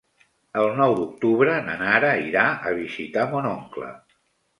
El nou d'octubre na Nara irà a visitar mon oncle.